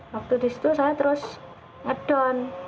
waktu disitu saya terus ngedon